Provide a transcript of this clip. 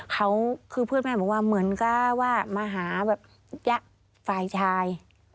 เขาคือเพื่อนแม่บอกว่าเหมือนกับว่ามาหาแบบยะฝ่ายชาย